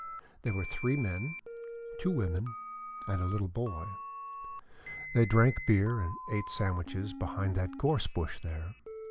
There were three men, two women and a little boy. They drank beer and ate sandwiches behind that gorse bush there.